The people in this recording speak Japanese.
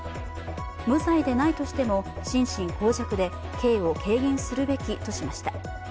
無罪でないとしても心神耗弱で刑を減軽するべきとしました。